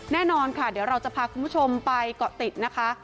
แน่นอนค่ะเดี๋ยวเราจะพาคุณผู้ชมไปเกาะติดนะคะ